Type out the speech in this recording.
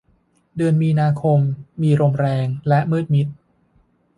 เดือนมีนาคม มีลมแรงและมืดมิด